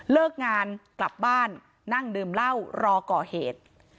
เลิกงานกลับบ้านนั่งดื่มเหล้ารอก่อเหตุ